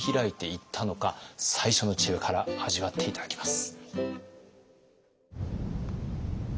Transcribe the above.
最初の知恵から味わって頂きます。